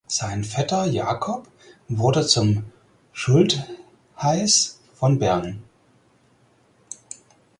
Sein Vetter Jakob wurde zum Schultheiß von Bern.